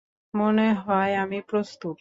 মনে হয় আমি প্রস্তুত।